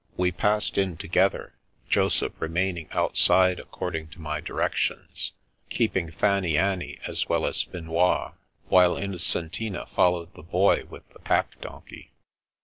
We passed in together, Joseph remaining outside according to my directions, keeping Fanny anny as wdl as Finois, while Inno centina followed the Boy with the pack donkey.